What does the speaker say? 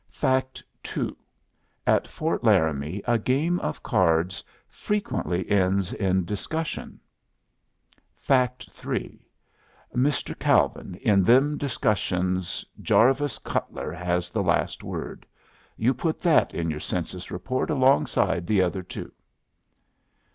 "Fact two: At Fort Laramie a game of cards frequently ends in discussion." "Fact three: Mr. Calvin, in them discussions Jarvis Cutler has the last word. You put that in your census report alongside the other two."